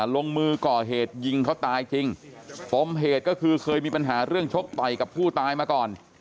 ลงมือก่อเหตุยิงเขาตายจริงปมเหตุก็คือเคยมีปัญหาเรื่องชกต่อยกับผู้ตายมาก่อน